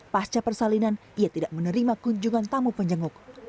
pasca persalinan ia tidak menerima kunjungan tamu penjenguk